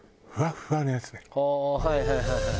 ああーはいはいはいはい。